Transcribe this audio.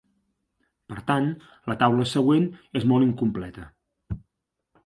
Per tant, la taula següent és molt incompleta.